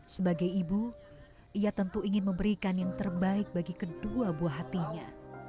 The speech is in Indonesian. sebagai ibu ia tentu ingin memberikan yang terbaik bagi kedua buah hatinya